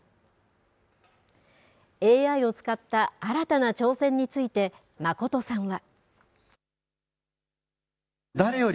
ＡＩを使った新たな挑戦について、眞さんは。